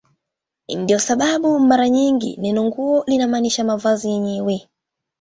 Ndiyo sababu mara nyingi neno "nguo" linamaanisha mavazi yenyewe.